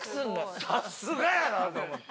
さすがやなと思って。